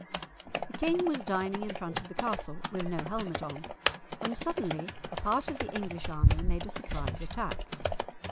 The king was dining in front of the castle, with no helmet on, when suddenly a part of the English army made a surprise attack.